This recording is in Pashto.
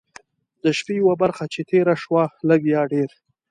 د شپې یوه برخه چې تېره شوه لږ یا ډېر.